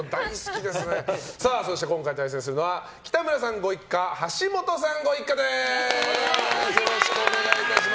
そして今回対戦するのは北村さんご一家橋本さんご一家です。